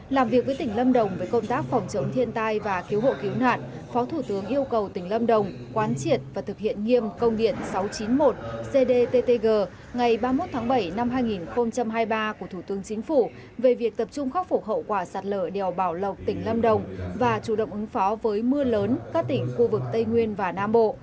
làm việc với tỉnh lâm đồng với công tác phòng chống thiên tai và cứu hộ cứu nạn phó thủ tướng yêu cầu tỉnh lâm đồng quán triệt và thực hiện nghiêm công điện sáu trăm chín mươi một cdttg ngày ba mươi một tháng bảy năm hai nghìn hai mươi ba của thủ tướng chính phủ về việc tập trung khắc phục hậu quả sạt lở đèo bảo lộc tỉnh lâm đồng và chủ động ứng phó với mưa lớn các tỉnh khu vực tây nguyên và nam bộ